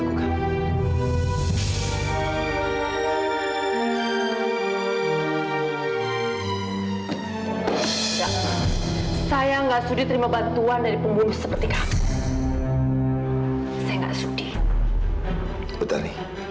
jangan lupa dokter